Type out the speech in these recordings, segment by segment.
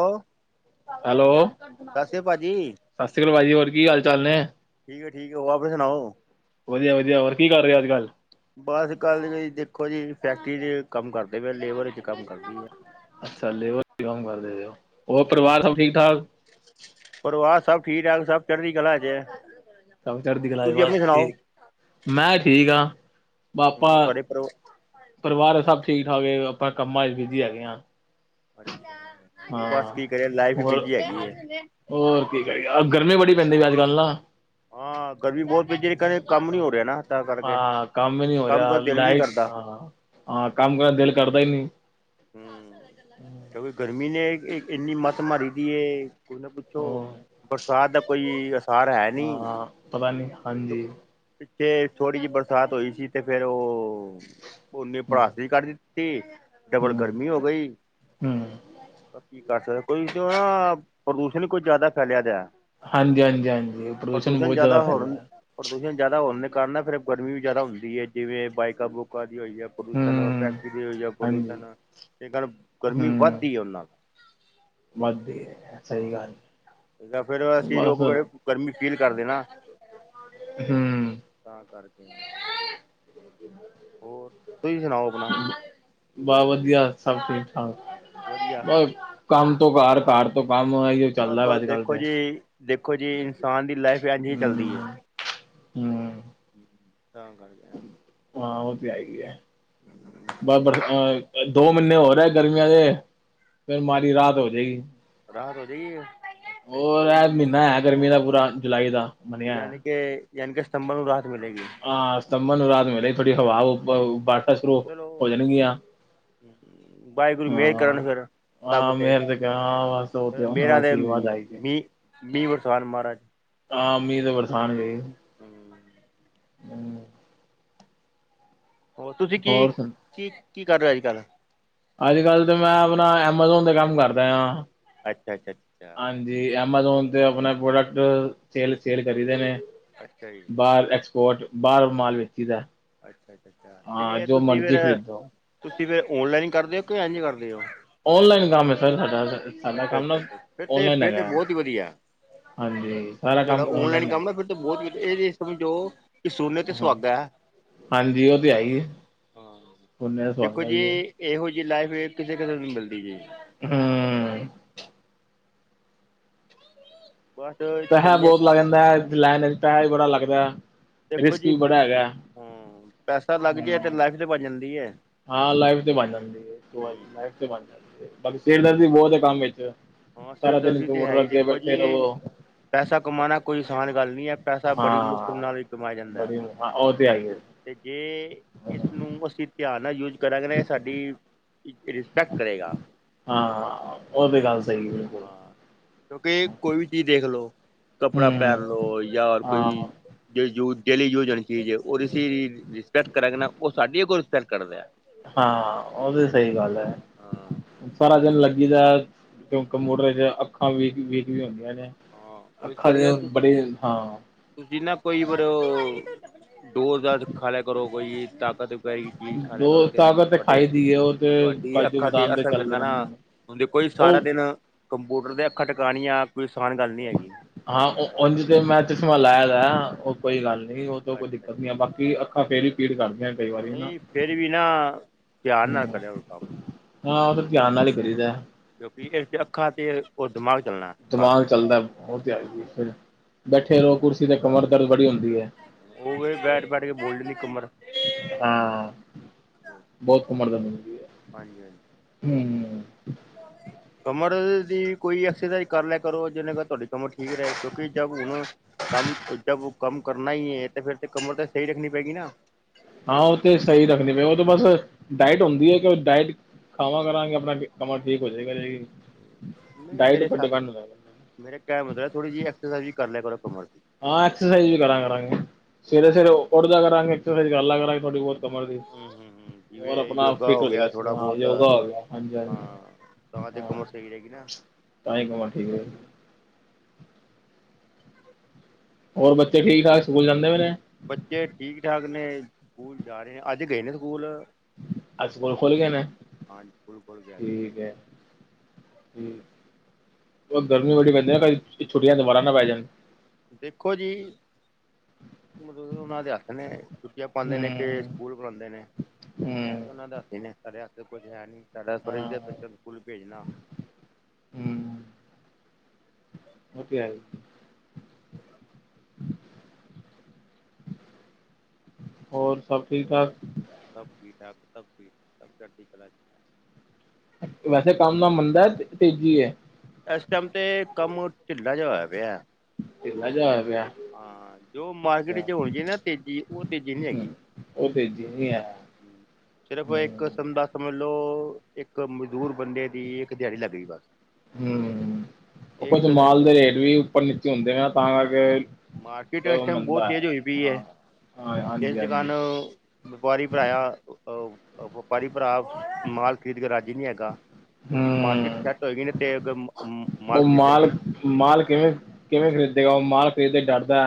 Hello hello. ਸਤਿ ਸ਼੍ਰੀ ਅਕਾਲ ਭਾਜੀ ਸਾਸ੍ਰੀ ਕਾਲ ਭਾਜੀ ਹੋਰ ਕੀ ਹਾਲ- ਚਾਲ ਨੇ। ਤੁਸੀਂ ਸੁਣਾ ਔ? ਵਧੀਆ- ਵਧੀਆ ਹੋਰ ਕੀ ਕਰੇ ਅੱਜ- ਕੱਲ? ਬਸ ਕਲ ਜ ਈ ਦੇਖੋ ਜੀ ਫੈਕਟਰੀ ਕੰਮ ਕਰਦੇ ਪੇ ਲੇਬਰ ਵਿੱਚ ਕੰਮ ਕਰਦੀ ਐ। ਅੱਛਾ ਲੇਬਰ ਵੀ ਕੰਮ ਕਰਦੇ ਪੇਔ ਹੋਰ ਪਰਿਵਾਰ ਸਭ ਠੀਕ- ਠਾਕ। ਪਰਵਾਹ ਸਭ ਠੀਕ -ਠਾਕ ਸਭ ਚੜਦੀ ਕਲਾ ਚੇ ਸਭ ਚੜਦੀ ਕਲਾ ਬਸ ਠੀਕ, ਮੈਂ ਠੀਕ ਹਾਂ ਪਾਪਾ ਤੁਹਾਡੇ ਪਰਿਵਾਰ ਪਰਿਵਾਰ ਸਭ ਠੀਕ ਠਾਕ ਏ ਆਪਾਂ ਕੰਮਾਂ ਚ ਬਿਜੀ ਹੈਗੇ ਆ। ਬਸ ਕੀ ਕਰੀਯੇ ਲਾਈਫ ਈ ਬਿਜ਼ੀ ਹੈਗੀ ਏ। ਅ ਗਰਮੀ ਬੜੀ ਪੈਂਦੀ ਪਈ ਏ ਅੱਜ -ਕੱਲ੍ਹ ਨਾ। ਹਾਂ ਗਰਮੀ ਬੋਤ ਪੈਂਦੀ ਕੈਂਦੇ ਕੰਮ ਨੀ ਹੋ ਰਿ ਆ ਨਾ ਤਾਂ ਕਰਕੇ। ਹਾਂ ਕੰਮ ਈ ਨੀ ਹੋ ਰਿਹਾ ਕਰਨ ਦਿਲ ਵੀ ਨੀ ਲਾਇਫ ਕਰਦਾ ਹਾਂ, ਹਾਂ ਕੰਮ ਕਰਨ ਦਿਲ ਕਰਦਾ ਈ ਨੀ ਹਮ ਕਬੀ ਗਰਮੀ ਨੇ ਇ ਇੱਕ ਇੰਨੀ ਮੱਤ ਮਾਰੀ ਦੀ ਏ, ਕੁਛ ਨਾ ਪੁੱਛੋ ਬਰਸਾਤ ਦਾ ਕੋਈ ਅਸਾਰ ਹੈ ਨਹੀਂ ਹਾਂ, ਪਤਾ ਨੀ ਹਾਂਜੀ। ਪਿੱਛੇ ਛੋੜੀ ਜੀ ਬਰਸਾਤ ਹੋਈ ਸੀ ਤੇ ਫੇਰ ਔਓ ਔਨੇ ਹਮ ਪੜਾਸ ਵੀ ਕਰ ਦਿੱਤੀ ਡਬਲ ਹਮ ਗਰਮੀ ਹੋਗੀ। ਹਮ। ਕੀ ਕਰ ਸਕਦੇ ਕੋ ਈ ਤੇ ਆ ਪ੍ਰਦੂਸ਼ਣ ਈ ਕੁਛ ਜਾਦਾ ਫੈਲਿਆ ਪਯਾ। ਹਾਂਜੀ- ਹਾਂਜੀ-ਹਾਂਜੀ ਪ੍ਰਦੂਸ਼ਣ ਬੋਤ ਜਾਦਾ ਹੋਣ ਫੈਲਿਆ। ਪ੍ਰਦੂਸ਼ਣ ਜਾਦਾ ਹੋਣ ਦੇ ਕਾਰਨ ਨਾ ਫੇਰ ਗਰਮੀ ਵੀ ਜਾਦਾ ਹੁੰਦੀ ਏ ਜਿਵੇਂ ਬਾਈਕਾਂ- ਬੂਕਾਂ ਦੀ ਹੋਈ ਏ ਪਦੂਸ਼ਨ ਹੂੰ, ਫੈਕਟਰੀ ਦੀ [unintelligible] ਹਾਂਜੀ, ਪੋਲਯੁਸ਼ਨ ਤੇ ਗਰਮ ਗਰਮੀ ਹੂੰ ਵੱਧਦੀ ਔਨਾਲ। ਵੱਧਦੀ ਏ। ਹਾਂ, ਯਾ ਫੇਰ ਅਸੀਂ ਬਸ ਲੋਕ ਫੇਰ ਗਰਮੀ ਫੀਲ ਕਰਦੇ ਆ ਨਾ। ਹਮ। ਤਾਂ ਕਰਕੇ। ਹੋਰ [unintelligible] ਤੁਸੀਂ ਸੁਣਾਓ ਆਪਣਾ। ਬਾ ਵਧੀਆ ਸਭ ਠੀਕ-ਠਾਕ ਵਧੀਆ ਕੰਮ ਤੋਂ ਘਰ, ਘਰ ਤੋਂ ਕੰਮ ਇਹੀਓ ਬਸ ਚੱਲਦਾ ਵਾ ਬਸ ਅੱਜ ਕੱਲ ਦੇਖੋ ਤੇ ਜੀ, ਦੇਖੋ ਜੀ ਇਨਸਾਨ ਦੀ ਲਾਈਫ ਇੰਝ ਈ ਹੂੰ ਚੱਲਦੀ ਐ। ਹੂੰ ਤਾਂ [unintelligible] ਹਾਂ, ਓ ਤੇ ਹੈਈ ਐ। [inaudible] ਬਸ ਬਸ ਅ ਦੋ ਮਹੀਨੇ ਹੋਰ ਐ ਗਰਮੀਆਂ ਦੇ ਫੇਰ ਮਾੜੀ ਅੱਛਾ ਰਾਹਤ ਹੋਜੇਗੀ। ਰਾਹਤ ਹੋਜੇਗੀ ਹੋਰ ਐ ਮਹੀਨਾ ਹੈ ਗਰਮੀ ਦਾ ਪੂਰਾ ਜੁਲਾਈ ਦਾ ਮੰਨਿਆ ਯਾਨੀ ਕਿ ਯਾਨੀ ਕੇ ਸਤੰਬਰ ਨੂੰ ਰਾਹਤ ਮਿਲੇਗੀ। ਹਾਂ, ਸਤੰਬਰ ਨੂੰ ਰਾਹਤ ਮਿਲੇਗੀ ਥੋਡੀ ਹਵਾ ਵੂ ਵਾਟਾਂ ਸ਼ੁਰੂ ਚਲੋ ਹੋ ਜਾਣਗੀਆਂ। ਵਾਹਿਗੁਰੂ ਮਿਹਰ ਹਾਂ ਕਰਨ ਫੇਰ। ਸਭ ਹਾਂ ਤੇ ਮੇਰ ਹਾਂ ਬਸ ਉਹ ਤੇ ਉਹਨਾਂ ਦਾ ਮੇਰਾ ਦੇ ਆਸ਼ੀਰਵਾਦ ਆਈ ਜੇ ਮੀਂਹ-ਮੀਂਹ, ਬਰਸਾਨ ਮਹਾਰਾਜ। ਹਾਂ, ਮੀਂਹ ਤੇ ਬਰਸਾਨ ਗੇ। [unintelligible] ਹੂੰ। ਹੋਰ ਤੁਸੀਂ ਹੋਰ ਸੁਣ ਕੀ-ਕੀ ਕੀ ਕਰ ਰੇ ਓ ਅੱਜ ਕੱਲ੍ਹ। ਅੱਜ ਕੱਲ੍ਹ ਤਾਂ ਮੈਂ ਆਪਣਾ ਐਮਾਜ਼ੋਨ ਤੇ ਕੰਮ ਕਰਦਾ ਆ। ਅੱਛਾ-ਅੱਛਾ, ਅੱਛਾ। ਜੀ ਉਹ ਐਮਾਜੋਨ ਤੇ ਆਪਣਾ, ਪ੍ਰੋਡਕਟ ਸੇਲ ਸੇਲ ਕਰੀ ਦੇ ਨੇ ਅੱਛਾ ਜੀ ਬਾਰ ਕੋਟ ਬਾਰ ਮਾਲ ਵੇਚੀ ਦਾ। ਅੱਛਾ-ਅੱਛਾ-ਅੱਛਾ, ਹਾਂ ਤੇ ਜੋ ਤੁਸੀਂ ਮਰਜ਼ੀ ਫੇਰ। ਖਰੀਦੋ ਤੁਸੀਂ ਫੇਰ ਔਨਲਾਈਨ ਕਰਦੇ ਓ, ਕਿ ਇੰਜ ਕਰਦੇ ਓ। ਔਨਲਾਈਨ ਲੈਣ-ਲੈਣ ਕੰਮ ਹੈ ਸਰ ਸਾਡਾ ਸਾਡਾ ਕੰਮ ਨਾ ਅੱਛਾ-ਅੱਛਾ-ਅੱਛਾ, ਫਿਰ ਤੇ ਫੇਰ ਤੇ ਬਹੁਤ ਈ ਵਧੀਆ। ਹਾਂਜੀ-ਹਾਂ, ਜੇ ਤੁਹਡਾ ਔਨਲਾਈਨ ਕੰਮ ਐ ਫਿਰ ਤਾਂ ਬਹੁਤ ਵਧ ਏ ਚੀਜ਼ ਸਮਝੋ ਸੋਨੇ ਤੇ ਹਮ ਸੁਹਾਗਾ। ਹਾਂਜੀ, ਓ ਤੇ ਹੈਈ ਐ। ਦੇਖੋ ਜੀ ਇਹੋ ਜੀ ਲਾਈਫ ਵੀ ਕਿਸੇ ਕਿਸੇ ਨੂੰ ਮਿਲਦੀ ਜੀ। ਹੂੰ। ਬਸ ਪੈਸਾ ਚੰਗੇ ਬੋਤ ਲੱਗ ਜਾਂਦਾ ਲੈਨ ਵਿੱਚ ਪੈਸਾ ਵੀ ਬੜਾ ਲੱਗਦਾ। ਦੇਖੋ ਰਿਸਕ ਜੀ ਵੀ ਬੜਾ ਹੈਗਾ ਹੂੰ, ਪੈਸਾ ਲੱਗ ਜੇ ਤੇ ਹਮ ਲਾਈਫ ਤੇ ਬਣ ਜਾਂਦੀ ਐ। ਹਾਂ, ਲਾਈਫ ਤੇ ਬਣ ਜਾਂਦੀ ਐ, ਲਾਈਫ ਤੇ ਬਣ ਜਾਂਦੀ ਬਾਕੀ ਸਿਰ ਦਰਦੀ ਬਹੁਤ ਐ ਕੰਮ ਵਿੱਚ। ਹਾਂ ਸਾਰਾ ਦਿਨ ਸਿਰਦਰਦੀ ਤੇ ਹੈ [unintelligible] ਹੀ ਅੱਗੇ ਦੇਖੋ ਬੈਠੇ ਜੀ ਰਹੋ। ਪੈਸਾ ਕਮਾਣਾ ਕੋਈ ਆਸਾਨ ਗੱਲ ਨੀ ਐ, ਪੈਸਾ ਬੜੀ ਮੁਸ਼ਕਿਲ ਹਾਂ ਨਾਲ ਈ ਕਮਾਇਆ ਜਾਂਦਾ। ਬੜੀ ਹਾਂ, ਓ ਤੇ ਹੈਈ ਏ। ਤੇ ਜੇ ਇਸਨੂੰ ਅਸੀਂ। ਧਿਆਨ ਨਾਲ ਯੂਜ ਕਰਾਂਗੇ ਨਾ ਏ ਸਾਡੀ ਰਿਸਪੈਕਟ ਕਰੇਗਾ। ਹਾਂ, ਓ ਵੀ ਗੱਲ ਸਈ ਐ। ਹਾਂ ਕਿਉਂਕਿ ਕੋਈ ਵੀ ਚੀਜ਼ ਦੇਖ ਲੋ ਕੱਪੜਾ, ਹਮ ਪਹਿਨ ਲੋ ਜਾਂ ਕੋਈ। ਹਾਂ ਯੂ ਯੂਜ ਡੇਲੀ ਯੂਜ ਆਲੀ ਚੀਜ਼ [unintelligible] ਰਿਸਪੈਕਟ ਕਰਾਂਗੇ, ਨਾ ਓ ਸਾਡੀ ਅੱਗੋ ਰਿਸਪੈਕਟ ਕਰਦਾ। ਹਾਂ, ਓ ਤੇ ਸਈ ਗੱਲ ਐ ਹਾਂ ਸਾਰਾ ਦਿਨ ਲੱ ਜਿੱਦਾਂ ਕਿਉਂਕਿ ਕੰਪਿਉਟਰ ਚ ਅੱਖਾਂ ਵੀਕ-ਵੀਕ, ਵੀ ਹੁੰਦੀਆਂ ਨੇ। ਹਾਂ ਅੱਖਾਂ ਦੇ ਬੜੇ ਹਾਂ। ਜਿੰਨਾਂ ਕੋਈ ਫਿਰ ਡੋਜ਼ ਦਾ ਖਾਲਿਆ ਕਰੋ, ਕੋਈ ਤਾਕਤ। ਸਹੀ ਚੀਜ਼ ਖਾ ਲਿਆ ਦੋ ਕਰੋ ਜਿਹਦੇ ਨਾਲ ਤਾਕਤ ਤੇ ਤੁਹਾਡੇ ਖਾਈ ਦੀ ਏ ਉਹ ਤੇ ਤੁਹਾਡੀ ਕਾਜੂ ਅੱਖਾਂ ਤੇ ਬਦਾਮ ਅਸਰ ਚੱਲਦੇ ਪੈਂਦਾ ਨਾ ਰਹਿੰਦੇ ਨੇ ਹੁਣ ਦੇਖੋ ਜੀ ਉਹ ਸਾਰਾ ਦਿਨ ਕੰਪਿਊਟਰ ਤੇ ਅੱਖਾਂ ਟਿਕਉਣੀਆਂ ਕੋਈ ਅਸਾਨ ਗੱਲ ਨੀ ਹੈਗੀ। ਹਾਂ ਉਝ ਤੇ ਮੈਂ ਚਸ਼ਮਾ ਲਾਇਆ‌ ਤਾਂ ਹੈ, ਉਹ ਕੋਈ ਅੱਛਾ ਗੱਲ ਨੀ ਉਹ ਤੋਂ ਅੱਛਾ ਕੋਈ ਦਿੱਕਤ ਨੀ ਐ ਅੱਛਾ ਬਾਕ ਕੀ ਅੱਖਾਂ ਫੇਰ ਹੀ ਪੀੜ ਕਰਦੀਆਂ। ਕਈ ਵਾਰੀ ਨਾ ਨਹੀਂ ਫੇਰ ਵੀ ਨਾ ਧਿਆਨ ਨਾਲ ਹੂੰ ਕਰਿਆ ਕਰੋ ਕੰਮ। ਹਾਂ ਉਹ ਤਾਂ ਧਿਆਨ ਨਾਲ ਹੀ ਕਰੀਦਾ। ਕਿਉਂਕਿ ਇਹ ਚ ਅੱਖਾਂ ਤੇ ਉਹ ਦਿਮਾਗ ਚੱਲਣਾ। ਬਸ ਦਿਮਾਗ ਚੱਲਦਾ ਉਹ ਤੇ ਹੈ ਫੇਰ ਬੈਠੇ ਰਹੋ ਕੁਰਸੀ ਤੇ ਕਮਰ ਦਰਦ ਬੜੀ ਹੁੰਦੀ ਐ। ਉਹਵੇ ਬੈਠ-ਬੈਠ ਕੇ ਬੋਲ ਜਾਂਦੀ ਐ ਕਮਰ। ਹਾਂ ਬਹੁਤ ਕਮਰ ਦਰਦ ਹੁੰਦੀ ਐ, ਹਾਂਜੀ ਹਾਂਜੀ ਹੂੰ। ਕਮਰ ਦਰਦ ਦੀ ਕੋਈ ਐਕਸਰਸਾਈਜ਼ ਕਰ ਲਿਆ ਕਰੋ, ਜਿਵੇਂ [unintelligible] ਤੁਹਾਡੀ ਕਮਰ ਠੀਕ ਰਹੇ ਕਿਉਂਕਿ ਜਬ ਹੁਣ ਕੰਮ ਜਬ ਓ ਕੰਮ ਕਰਨਾ ਹੀ ਐ ਤੇ ਫੇਰ ਤੇ ਕਮਰ ਤਾਂ ਸਹੀ ਰੱਖਣੀ ਪਏਗੀ ਨਾ। ਹਾਂ ਉਹ ਤੇ ਸਹੀ ਰੱਖਣੀ ਪਏ, ਉਹ ਤਾਂ ਬਸ ਡਾਇਟ ਹੁੰਦੀ ਐ ਕਿ ਉਹ ਡਾਇਟ ਖਾਵਾਂ ਕਰਾਂਗੇ ਆਪਣਾ ਕਮਰ ਠੀਕ ਹੋ ਜੇ ਕਰੇਗੀ। ਮੇਰੇ ਸਾਬ ਮੇਰੇ ਕਹਿ ਮਤਲਬ ਥੋੜੀ‌ ਜੀ ਐਕਸਰਸਾਈਜ਼ ਵੀ ਕਰ ਲਿਆ ਕਰੋ ਕਮਰ ਦੀ। ਹਾਂ ਐਕਸਰਸਾਈਜ਼ ਵੀ ਕਰਾਂ ਕਰਾਂਗੇ, ਸਵੇਰੇ-ਸਵੇਰੇ ਹਮ ਉੱਠ ਜਿਆ ਕਰਾਂਗੇ ਐਕਸਰਸਾਈਜ਼ ਕਰਲਿਆ ਕਰਾਂਗੇ ਥੋੜ੍ਹੀ ਬਹੁਤ। ਕਮਰ ਦੀ ਹਮ ਹੋਰ ਜਿਵੇਂ ਆਪਣਾ ਆਪ ਯੋਗਾ ਫਿਟ ਹੋ ਗਿਆ ਥੋੜਾ ਜੇਗਾ ਬਹੁਤ ਯੋਗਾ ਹੋ ਗਿਆ, ਹਾਂਜੀ ਹਾਂਜੀ। ਹਾਂ ਤਾਂ ਤੇ ਕਮਰ ਸਹੀ ਰਏਗੀ ਨਾ। ਤਾਂਹੀ ਕਮਰ ਠੀਕ ਰਹੇਗੀ। ਹੋਰ ਬੱਚੇ ਠੀਕ-ਠਾਕ ਸਕੂਲ ਜਾਂਦੇ ਪ‌ਏ ਨੇ? ਬੱਚੇ ਠੀਕ-ਠਾਕ ਨੇ, ਸਕੂਲ ਜਾ ਰਹੇ ਆ ਅੱਜ ਗਏ ਨੇ ਸਕੂਲ। ਅੱਜ ਸਕੂਲ ਖੁੱਲ ਗਏ ਨੇ, ਸਕੂਲ ਖੁੱਲ ਗਿਆ ਠੀਕ ਐ। ਹੂੰ ਕਿਉਂਕਿ ਗਰਮੀ ਬੜੀ ਪੈਂਦੀ ਐ ਨਾ ਛੁੱਟੀਆਂ ਦੁਬਾਰਾ ਨਾ ਪੈ ਜਾਣ। ਦੇਖੋ ਜੀ ਉਹਨਾਂ ਦੇ ਹੱਥ ਨੇ ਛੁੱਟੀਆਂ ਪਾਦੇ ਨੇ ਕਿ ਹੂੰ ਸਕੂਲ ਬੁਲਾਉਂਦੇ ਨੇ ਐਹ ਹੂੰ ਤਾਂ ਉਹਨਾਂ ਦੇ ਹੱਥ ਐ ਨਾ, ਸਾਡੇ ਹੱਥ ਕੁਛ ਹੈ ਨੀ ਸਾਡਾ ਹਾਂ ਫਰਜ ਏ ਬੱਚਾ ਸਕੂਲ ਭੇਜਣਾ। ਉਹ ਤੇ ਹੈ ਹੀ। ਹੋ ਹੋਰ ਸਭ ਠੀਕ-ਠਾਕ? ਸਭ ਠੀਕ-ਠਾਕ ਸਭ ਠੀਕ, ਸਭ ਚੜਦੀ ਕਲਾ। ਵੈਸੇ ਕੰਮ ਦਾ ਐ ਮੰਦਾ ਤੇਜ਼ੀ ਐ। ਐਸ ਟੈਮ ਤੇ ਕੰਮ ਢਿੱਲਾ ਜਾ ਹੋਇਆ ਪਿਆ। ਢਿੱਲਾ ਜਾ ਹੋਇਆ ਪਿਆ। ਹਾਂ‌ ਜੋ ਮਾਰਕੀਟ ਅੱਛਾ ਚ ਹੋਜੇ ਨਾ ਤੇਜ਼ੀ ਉਹ ਤੇਜ਼ੀ ਨੀ ਹੂੰ ਹੈਗੀ। ਉਹ ਤੇਜ਼ੀ ਨੀ ਐ। ਸਿਰਫ਼ ਇੱਕ ਕਿਸਮ ਦਾ ਸਮਝ ਲੋ ਇੱਕ ਮਜ਼ਦੂਰ ਬੰਦੇ ਦੀ ਇੱਕ ਦਿਹਾੜੀ ਲੱਗ ਗਈ ਬਸ। ਹੂੰ, ਉਹ ਕੁਝ ਇੱਕ ਨੇ ਮਾਲ ਦੇ ਰੇਟ ਵੀ ਉੱਪਰ-ਨੀਚੇ ਹੁੰਦੇ ਆ ਤਾਂ ਹਾਂ ਕਰਕੇ। ਮਾਰਕੀਟ ਇਸ ਉਹ ਟੈਮ ਬਹੁਤ ਮੰਦਾ ਤੇਜ਼ ਹੈ ਹੋਈ ਪਈ ਐ ਹਾਂ ਹਾਂ ਜਿਸ ਹਾਂਜੀ ਹਾਂਜੀ ਦੁਕਾਨ ਵਪਾਰੀ [unintelligible] ਵਪਾਰੀ ਭਰਾ ਮਾਲ ਖਰੀਦ ਕੇ ਰਾਜੀ ਨੀ ਹੈਗਾ। ਕਿਉਂਕਿ ਮਾਰਕੀਟ ਹੂੰ ਸੈੱਟ ਹੋਏਗੀ ਨਾ ਤੇ ਅ ਮਾਂ ਮਾਲ ਖਰੀਦਣਗੇ ਨਾ। ਮਾਲ ਕਿਵੇਂ ਕਿਵੇਂ ਖਰੀਦੇਗਾ ਉਹ ਮਾਲ ਖਰੀਦ ਤੇ ਡਰਦਾ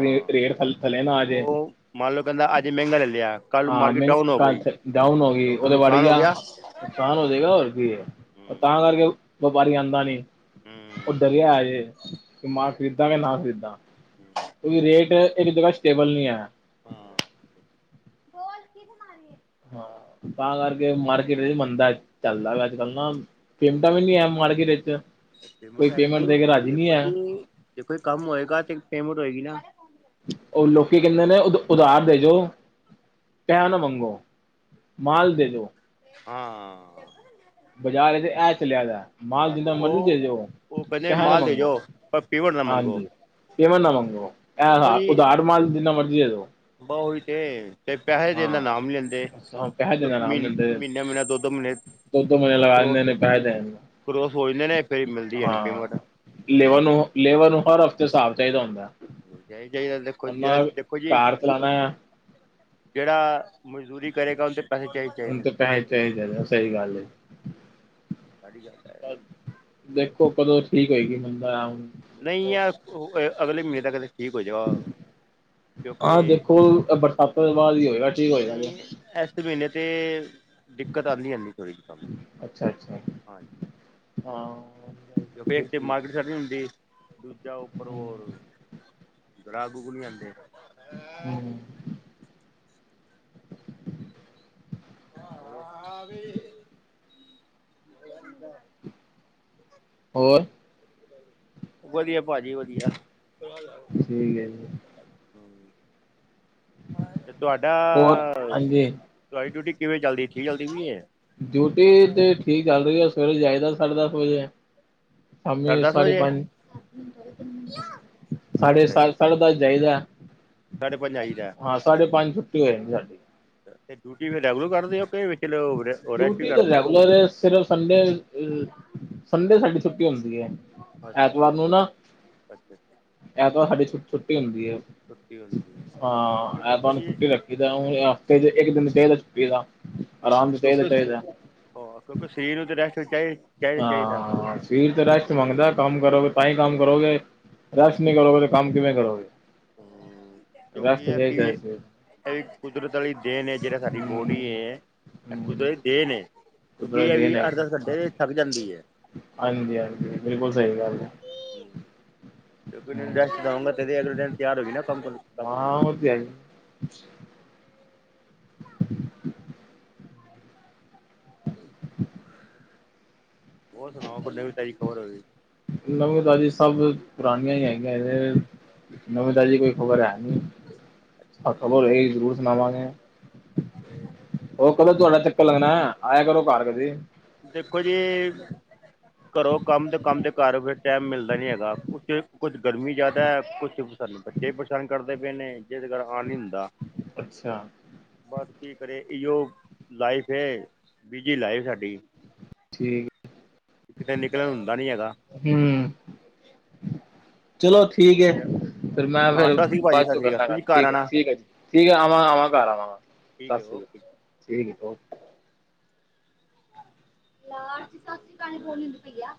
ਰੇਟ ਰੇਟ ਥੱਲੇ ਥੱਲੇ ਨਾ ਆਜੇ। ਉਹ ਮੰਨ ਲਓ ਪਹਿਲਾ ਅੱਜ ਮਹਿੰਗਾ ਲੈ ਲਿਆ। ਕੱਲ ਹਾਂ ਮਾਰਕੀਟ ਮੈਗ ਡਾਊਨ ਹੋ ਕੱਲ੍ਹ ਗਈ ਤ ਡਾਊਨ ਹੋ ਤੇ ਗਈ, ਉਹਦਾ ਉਹਦੇ ਵੜ ਨੁਕਸਾਨ ਹੋ ਗਿਆ। ਨੁਕਸਾਨ ਹੋ ਜਾਏਗਾ, ਹੋਰ ਕੀ ਹੈ, ਹੂੰ ਤਾਂ ਕਰਕੇ ਵਪਾਰੀ ਆਂਦਾ ਨੀ। ਹੁੰ। ਉਹ ਡਰਿਆ ਆਜੇ ਕਿ ਮਾਲ ਖਰੀਦਾਂ ਕਿ ਨਾ ਖ਼ਰੀਦਾਂ, ਕਿਉਂਕਿ ਰੇਟ ਇੱਕ ਜਗ੍ਹਾ ਸਟੇਬਲ ਨਹੀਂ ਏ। [unintelligible] ਹਾਂ, ਤਾਂ ਕਰਕੇ ਮਾਰਕੀਟ ਚ ਮੰਦਾ ਚੱਲਦਾ ਵ ਅੱਜਕੱਲ ਨਾ। ਪੇਮੈਂਟਾਂ ਵੀ ਨੀ ਹੈ ਮਾਰਕੀਟ ਈਚ, ਕੋਈ ਆਈ ਪੇਮੈਂਟ ਨੀ ਦੇ ਕੇ ਰਾਜ਼ੀ ਨਹੀਂ ਐ। ਦੇਖੋ ਜੀ, ਕੰਮ ਹੋਏਗਾ ਤੇ ਪੇਮੈਂਟ ਹੋਏਗੀ ਨਾ। ਉਹ ਲੋਕੀ ਕਹਿੰਦੇ ਨੇ ਉਦ-ਉਧਾਰ ਦੇਜੋ। ਪੇਹਾ ਨਾ ਮੰਗੋ, ਮਾਲ ਦੇ ਦੇਜੋ। ਹਾਂ। ਬਾਜ਼ਾਰ ਚ ਇਹ ਚਲਿਆ ਦੈ। ਮਾਲ ਬਸ ਜਿੰਨਾ ਮਰਜ਼ ਉਹ ਦੇ ਜੋ, ਉਹ ਕਹਿੰਦੇ ਪੇਹਾ ਨਾ ਮਾਲ ਦੇ ਮੰਗੋ, ਜੋ ਪਰ ਪੇਮੈਂਟ ਨਾ ਮੰਗੋ ਹਾਂਜੀ। ਪੇਮੈਂਟ ਨਾ ਮੰਗੋ, ਐ ਸਾਬ ਉਧਾਰ ਮਾਲ ਜਿੰਨਾ ਮਰਜ਼ੀ ਦੇਦੋ। ਬਹੁ ਓਇ ਤੇ। ਤੇ ਪੈਹੇ ਦੇਣ ਦਾ ਨਾਮ ਨੀ ਲੈਂਦੇ, ਪੈਸੇ ਦ ਦੇਣਾ ਮ ਆਰਾਮ ਮਹੀਨੇ ਦਿੰਦੇ ਮਹੀਨੇ ਦੋ ਦੋ ਮਹੀਨੇ ਦੋ ਦੋ ਮਹੀਨੇ ਉਹ ਲਗਾ ਕਰੋਸ ਦੇਂਦੇ ਪੈਸੇ ਦੇਣ ਕਰੋਸ ਸੋਚ ਦੇ ਨੇ, ਫੇਰ ਮਿਲਦੀ ਏ ਨੀ ਪੇਮੈਂਟ ਲੇਵਰ ਨੂੰ, ਲੇਵਰ ਨੂੰ ਹਰ ਹਫ਼ਤੇ ਹਿਸਾਬ ਚਾਹੀਦਾ ਹੁੰਦਾ। [unintelligible] ਦੇਖੋ ਜਹੜ ਉਹਨਾਂ ਦੇਖੋ ਜੀ। ਕਾਰ ਚਲਾਣਾ ਜਿਹੜਾ ਮਜ਼ਦੂਰੀ ਕਰੇਗਾ, ਓਹਨੂੰ ਤੇ ਪੈਸੇ ਚਾਹੀਦੇ। ਉਨੂੰ ਤੇ ਪੈਸੇ ਨੇ ਚਾਹੀਦੈ ਨੇ, ਸਹੀ ਗੱਲ ਏ। [unintelligible] ਦੇਖੋ ਕਦੋਂ ਠੀਕ ਹੋਏਗੀ ਮੰੰਦਾ ਆ ਹੁਣ ਨਹੀਂ ਯਾਰ ਅਗਲੇ ਮਹੀਨੇ ਤਕ ਤਾ ਠੀਕ ਹੋ ਜਾਓ ਹਾਂ ਦੇਖੋ ਹੁਣ ਏ ਬਰਸਾਤਾਂ ਤੋਂ ਬਾਦ ਹੀ ਹੋਏਗਾ ਠੀਕ ਹੋਏਗਾ ਜੇ ਨਹੀਂ ਇਸ ਮਹੀਨੇ ਤੇ ਦਿੱਕਤ ਆਂਦੀ-ਆਂਦੀ ਕੋਈ ਵੀ ਕੰਮ ਹੋਏ, ਅੱਛਾ ਅੱਛਾ ਹਾਂਜੀ। ਹਾਂ ਕਿਉਂਕਿ ਇੱਕ ਤੇ ਠੀਕ ਮਾਰਕਿਟ ਸੈਟ ਨੀ ਹੁੰਦੀ, ਦੂਜਾ ਉੱਪਰ ਹੋਰ ਗਰਾਕ ਗਰੂਕ ਨੀ ਆਂਦੇ। ਹੂੰ। [unintelligible] [inaudible] ਹੋਰ ਵਧੀਆ ਪਾਜੀ ਵਧੀਆ। ਠੀਕ ਹੈ ਜੀ ਤੇ ਹੋਰ ਤੁਹਾਡਾ ਹਾਂਜੀ ਤੁਹਾਡੀ ਡਿਊਟੀ ਕਿਵੇਂ ਚਲਦੀ, ਠੀਕ ਚਲਦੀ ਪਈ ਏ? ਡਿਊਟੀ ਤੇ ਠੀਕ ਚੱਲ ਰਹੀ ਏ। ਸਵੇਰੇ ਜਾਈਦਾ ਸਾਢੇ ਦਸ ਵਜੇ। ਸ਼ਾਮੀ ਸਾਢੇ ਦਸ ਸਾਢੇ਼ ਵਜੇ ਪੰਜ ਸਾਡੇ਼ ਅੱਛਾ ਜੀ ਸੱਤ, ਸਾਡੇ਼ ਦਸ ਜਾਈਦਾ। ਸਾਢੇ ਪੰਜ ਆਈਦਾ ਹਾਂ, ਸਾਢੇ ਪੰਜ ਛੁੱਟੀ ਹੋ ਜਾਂਦੀ ਸਾਡੀ। ਤੇ ਡਿਊਟੀ ਫੇਰ ਰੈਗੂਲਰ ਕਰਦੇ ਓ ਕੇ ਵਿਚ ਰੋਕਦੇ ਡਿਊਟੀ ਤਾਂ ਰੈਗੂਲਰ ਐ, ਸਿਰਫ ਸੰਡੇ ਅ ਸੰਡੇ ਸਾਡੀ ਛੁੱਟੀ ਹੁੰਦੀ ਏ, ਐਤਵਾਰ ਨੂੰ ਨਾ ਅੱਛਾ-ਅੱਛਾ। ਐਤਵਾਰ ਸਾਡੀ ਛੁ ਛੁੱਟੀ ਹੁੰਦੀ ਏ, ਹੁੰਦੀ ਹੈ ਕਿਉਂਕਿ ਹਾਂ ਦੇਖੋ ਐਤਵਾਰ ਜੀ ਛੁੱਟੀ ਰੱਖੀ ਤਾਂ ਹੁਣ ਹਫ਼ਤੇ ਚ ਇੱਕ ਦਿਨ ਫੇਰ ਏ ਛੂੱਟੀ ਦਾ ਆਰਾਮ ਚਾਹੀਦਾ ਕਿਉਂਕਿ ਚਾਹੀਦਾ ਉਹ ਕਿਉਂਕਿ ਸਰੀਰ ਨੂੰ ਤਾਂ ਰੈਸਟ ਚਾਹੀਦੀ ਹਾਂ ਸਰੀਰ ਤੇ ਰੈਸਟ ਨੂੰ ਮੰਗਦਾ ਕੰਮ ਕਰੋਗੇ ਤਾਂ ਹੀ ਕੰਮ ਕਰੋਗੇ ਰੈਸਟ ਹੂੰ ਨੀ ਕਰੋਗੇ ਤੇ ਕੰਮ ਕਿਵੇਂ ਕਰੋਗੇ। ਹੂੰ। ਰੈਸਟ ਕਿਉਂਕਿ ਏ ਕਿ ਚਾਹੀਦਾ ਏ, ਸਰੀਰ ਐ ਵੀ ਕੁਦਰਤ ਵਾਲੀ ਦੇਣ ਹੈ ਜਿਹੜਾ ਸਾਡੀ ਹੂੰ। ਬੋਡੀ ਏ ਏਹ ਹੂੰ ਕੁਦਰਤ ਦੀ ਦੇਨ ਏ, ਕਿਉਂਕਿ ਕੁਦਰਤ ਇਹ ਦੀ ਵੀ ਦੇਣ ਅੱਠ ਹੈਗੀ ਦਸ ਘੰਟੇ ਥੱਕ ਜਾਂਦੀ ਏ। ਹਾਂਜੀ ਹਾਂਜੀ ਬਿਲਕੁਲ, ਸਹੀ ਗੱਲ ਏ। ਕਿਉਂਕਿ ਰੈਸਟ ਕਰਾਊਂਗਾ ਤੇ ਹੀ ਅਗਲੇ ਦਿਨ ਤਿਆਰ ਹੋਈਏ ਨਾ ਕੰਮ ਕਰਨ ਹਾ ਉਹ ਤੇ ਹੈ ਈ [inaudible] [inaudible] ਹੋਰ ਸੁਣਾਓ ਕੋਈ ਨਵੀ ਤਾਜੀ ਹੋਰ ਹੋਵੇ। ਨਵੀ ਤਾਜੀ ਸਭ ਪੁਰਾਣੀਆਂ ਹੀ ਹੈਗੀਆਂ ਏ। ਨਵੀ ਤਾਜੀ ਕੋਈ ਖ਼ਬਰ ਹੈ ਨੀ। ਅ ਅੱਛਾ ਖਬਰ ਹੋਏਗੀ, ਜ਼ਰੂਰ ਸੁਣਾਵਾਂਗੇ। ਅੱਛਾ ਜੀ। ਹੋਰ ਕਦੋ ਤੁਹਾਡਾ ਚੱਕਰ ਲੱਗਣਾ, ਆਇਆ ਕਰੋ ਘਰ ਕਦੇ। ਦੇਖੋ ਜੀ ਘਰੋ ਕੰਮ ਤੇ, ਕੰਮ ਤੋ ਘਰ, ਫਿਰ ਟਾਈਮ ਮਿਲਦਾ ਨੀ ਹੈਗਾ। ਕੁ ਕੁਝ ਗਰਮੀ ਜ਼ਿਆਦਾ ਕੁਛ ਫੇਰ ਤੁਹਾਨੂੰ ਪਤਾ ਬੱਚੇ ਪਰੇਸ਼ਾਨ ਕਰਦੇ ਪਏ ਨੇ ਜਿਹਦੇ ਕਰ ਆ ਨੀ ਹੁੰਦਾ। ਅੱਛਾ। ਬਸ ਕੀ ਕਰੀਏ ਇਹੋ ਲਾਈਫ ਏ, ਬਿਜੀ ਲਾਈਫ ਸਾਡੀ। ਠੀਕ ਕਿਤੇ ਨਿਕਲਣ ਹੁੰਦਾ ਨੀ ਹੈਗਾ। ਹੂੰ। ਚਲੋ ਠੀਕ ਏ, ਫਿਰ ਮੈਂ ਹਾਂ ਫੇਰ ਸਤਿ ਸ਼੍ਰੀ ਅਕਾਲ ਭਾਜੀ ਬਾਦ ਸਤਿ ਚੋ ਸ਼੍ਰੀ ਅਕਾਲ ਕਰਨਾ ਆ ਗੱਲ। ਤੁਸੀਂ ਘਰ ਠੀਕ ਏ, ਆਉਣਾ ਠੀਕ ਏ ਜੀ। ਠੀਕ ਆਵਾਂ ਘਰ ਆਵਾਂਗਾ ਆਵਾਂਗਾ ਠੀਕ ਸਤਿ ਹੈ ਸ਼੍ਰੀ ਅਕਾਲ ਓਕੇ ਠੀਕ ਹੈ ਲਾਸਟ ਸਤ ਸਰੀ ਕਾਲ ਹੁੰਦੀ ਪਈ ਆ